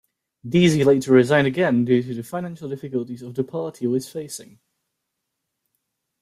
Deasy later resigned again due to the financial difficulties of the party was facing.